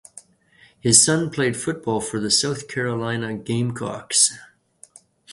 His son played football for the South Carolina Gamecocks.